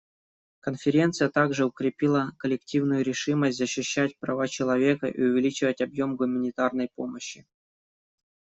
Конференция также укрепила коллективную решимость защищать права человека и увеличивать объем гуманитарной помощи.